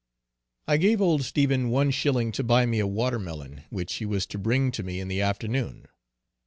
I gave old Stephen one shilling to buy me a water melon, which he was to bring to me in the afternoon.